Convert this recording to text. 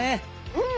うん！